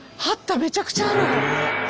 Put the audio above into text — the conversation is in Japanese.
めちゃくちゃある。